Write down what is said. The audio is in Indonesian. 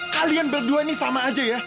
kalian berdua ini sama aja ya